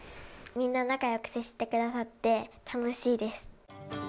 みんな仲よく接してくださって、楽しいです。